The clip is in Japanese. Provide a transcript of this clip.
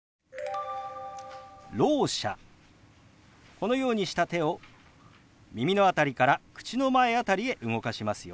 このようにした手を耳の辺りから口の前辺りへ動かしますよ。